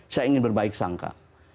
saya ingin berbaik sangka